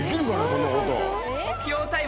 そんなこと。